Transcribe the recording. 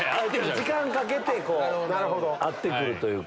時間かけて合って来るというか。